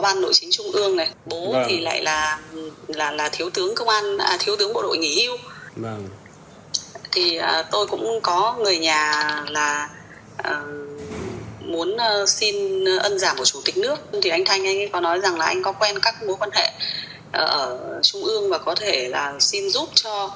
anh thanh anh ấy có nói rằng là anh có quen các mối quan hệ ở trung ương và có thể là xin giúp cho